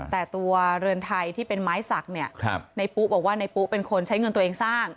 แต่ตัวเรือนไทยที่เป็นไม้สักเนี่ยในปุ๊บอกว่าในปุ๊เป็นคนใช้เงินตัวเองสร้าง